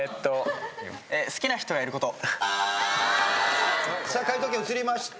『好きな人がいること』さあ解答権移りました。